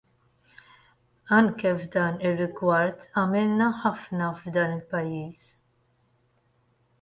Anke f'dan ir-rigward għamilna ħafna f'dan il-pajjiż.